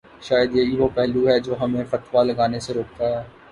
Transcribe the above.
شاید یہی وہ پہلو ہے جو ہمیں فتوی لگانے سے روکتا ہے۔